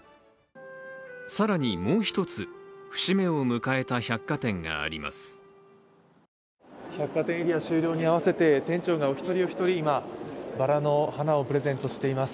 更にもう一つ、節目を迎えた百貨店があります。